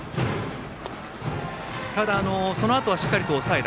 ただ、そのあとはしっかりと抑えた。